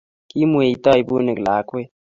kiimweitoi bunik lakwet